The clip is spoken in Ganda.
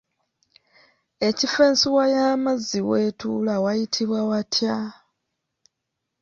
Ekifo ensuwa y’amazzi w’etuula wayitibwa watya?